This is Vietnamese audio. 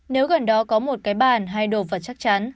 nếu gần đó có một cái bàn hay đồ vật chắc chắn